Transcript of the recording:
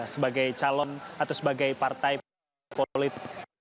sebagai calon atau sebagai partai politik